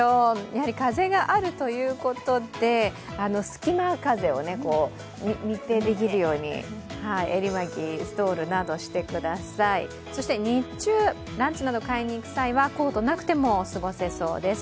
やはり風があるということで、隙間風を密閉できるように襟巻き、ストールなどしてくださいそして日中ランチなど買いに行く際はコートなくても過ごせそうです。